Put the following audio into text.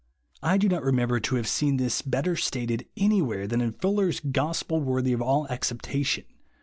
I do not remember to have seen this better stated anywhere than in Fuller's "Gospel Worthy of All Acceptation."